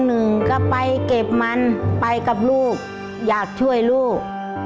หนึ่งก็ไปเก็บมันไปกับลูกอยากช่วยลูก